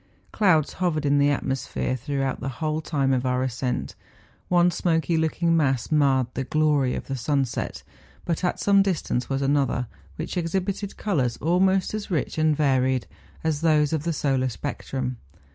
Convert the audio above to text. Clouds hovered in the atmospher^hrough out the whole time of our ascent; one smoky looking mass marred the glory of the sunset, but at some distance was another, which exhibited colours almost as rich and varied as those of the solar spectrum.